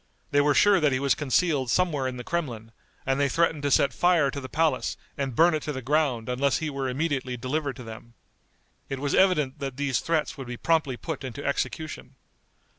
They were sure that he was concealed somewhere in the Kremlin, and they threatened to set fire to the palace and burn it to the ground unless he were immediately delivered to them. It was evident that these threats would be promptly put into execution.